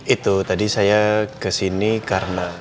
itu tadi saya ke sini karena